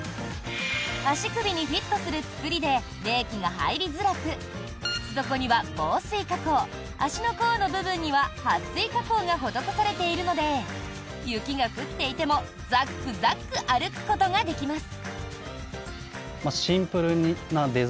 足首にフィットする作りで冷気が入りづらく靴底には防水加工足の甲の部分には撥水加工が施されているので雪が降っていてもザックザック歩くことができます。